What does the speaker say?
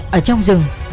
nương ở trong rừng